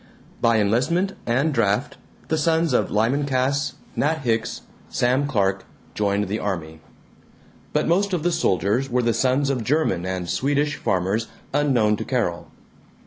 By enlistment and draft, the sons of Lyman Cass, Nat Hicks, Sam Clark joined the army. But most of the soldiers were the sons of German and Swedish farmers unknown to Carol.